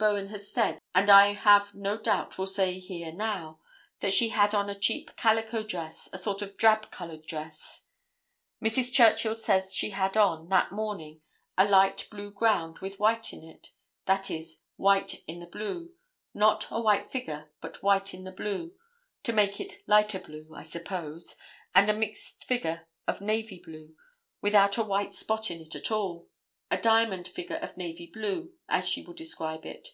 Bowen has said, and I have no doubt will say here now, that she had on a cheap calico dress, a sort of drab colored dress. Mrs. Churchill says she had on, that morning, a light blue ground with white in it—that is, white in the blue, not a white figure, but white in the blue, to make it lighter blue, I suppose, and a mixed figure of navy blue, without a white spot in it at all, a diamond figure of navy blue, as she will describe it.